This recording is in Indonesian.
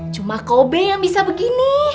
cuma kobe yang bisa begini